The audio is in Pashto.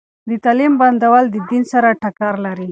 د تعليم بندول د دین سره ټکر لري.